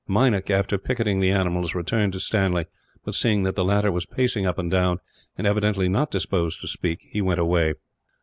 Meinik, after picketing the animals, returned to Stanley but, seeing that the latter was pacing up and down, and evidently not disposed to speak, he went away.